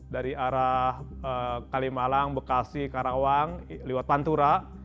dari arah kalimalang bekasi karawang lewat pantura